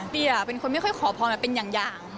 เดียเป็นคนไม่ค่อยขอพรแบบเป็นอย่าง